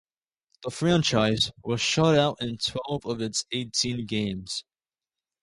The franchise was shut out in twelve of its eighteen games.